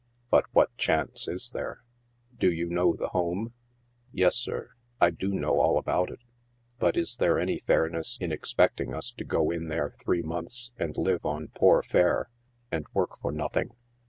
But what chance is there ?"" Do you know the Home ?" "Yes, sir ; I do know all about it. But is there any fairness in expecting us to go in there three months and live on poor fare, and work for nothing?